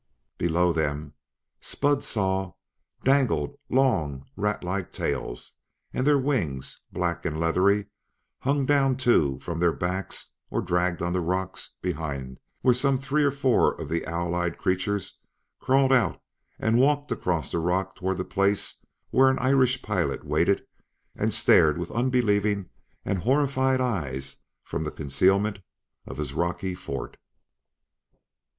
Below them, Spud saw, dangled long, rat like tails; and their wings, black and leathery, hung down too from their backs or dragged on the rocks behind where some three or four of the owl eyed creatures crawled out and walked across the rock toward the place where an Irish pilot waited and stared with unbelieving and horrified eyes from the concealment of his rocky fort.